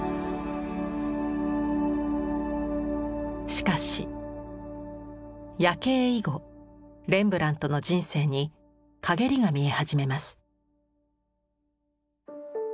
しかし「夜警」以後レンブラントの人生にかげりが見え始めます。